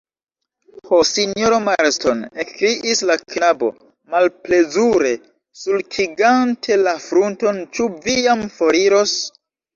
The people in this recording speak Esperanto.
Ho, sinjoro Marston, ekkriis la knabo, malplezure sulkigante la frunton, ĉu vi jam foriros?